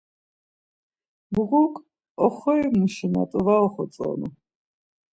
Mğuk oxorimuşi na t̆u var oxotzonu.